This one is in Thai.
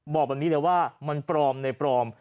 บอกแบบนี้เลยว่ามันปลอมในปลอม